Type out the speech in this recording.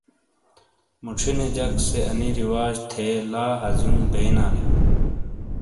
موچھِینے جک سے آنی رواج تھے لا ہزیوں بینالے۔